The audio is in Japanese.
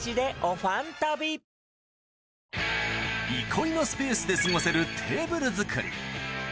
憩いのスペースで過ごせるテーブル作り